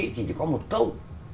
thì chỉ có một câu